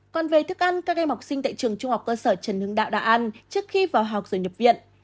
còn về thức ăn các em học sinh tại trường trung học cơ sở trần hương đạo đã ăn trước khi vào học rồi nhập viện